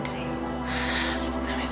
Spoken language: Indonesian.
terima kasih andre